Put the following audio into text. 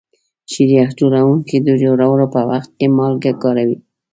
شیریخ جوړونکي د جوړولو په وخت کې مالګه کاروي.